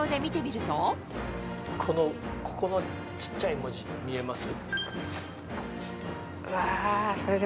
ここの小っちゃい文字見えます？